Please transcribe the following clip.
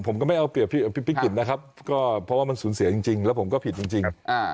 ผมก็ไม่เอาเปรียบพี่กิจนะครับก็เพราะว่ามันสูญเสียจริงแล้วผมก็ผิดจริง